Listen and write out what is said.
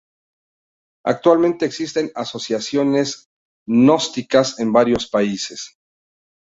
Actualmente existen asociaciones gnósticas en varios países.